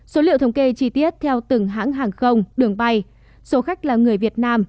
số liệu thống kê chi tiết theo từng hãng hàng không đường bay số khách là người việt nam